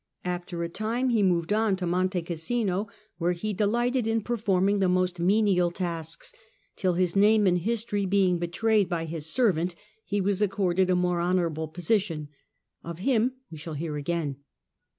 After a time he moved on to Monte Cassino, where he delighted in performing the most menial tasks, till, his name and history being betrayed by his servant, he was accorded a more honourable position. Of him we shall hear again.